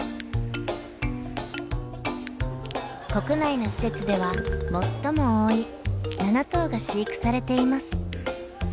国内の施設では最も多い７頭が飼育されています。